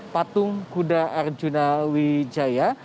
patung kuda arjuna wijaya